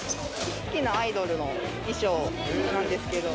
好きなアイドルの衣装なんですけど。